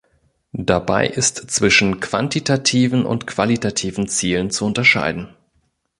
Dabei ist zwischen quantitativen und qualitativen Zielen zu unterscheiden.